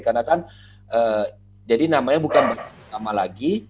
karena kan jadi namanya bukan sama lagi